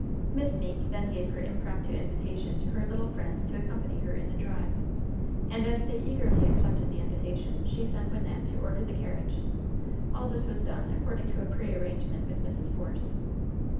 Miss Meeke then gave her impromptu invitation to her little friends to accompany her in a drive; and, as they eagerly accepted the invitation, she sent Wynnette to order the carriage; all this was done according to a prearrangement with Mrs. Force.